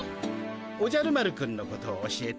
おじゃる丸くんのことを教えて。